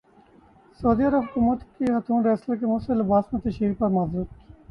سعودی عرب حکومت کی خاتون ریسلر کی مختصر لباس میں تشہیر پر معذرت